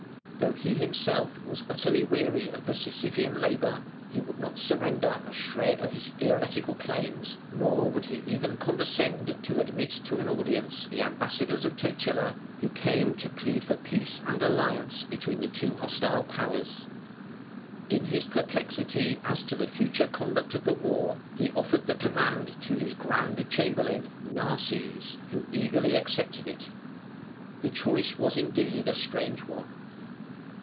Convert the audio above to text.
Though he himself was utterly weary of the Sisyphean labour, he would not surrender a shred of his theoretical claims, nor would he even condescend to admit to an audience the ambassadors of Totila, who came to plead for peace and alliance between the two hostile powers. In his perplexity as to the further conduct of the war he offered the command to his Grand Chamberlain Narses, who eagerly accepted it. The choice was indeed a strange one.